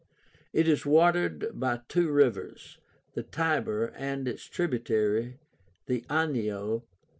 It is watered by two rivers, the Tiber, and its tributary, the Anio.